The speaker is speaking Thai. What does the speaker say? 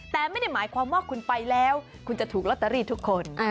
แต่ไม่ได้หมายความว่าคุณไปแล้วคุณจะถูกลอตเตอรี่ทุกคน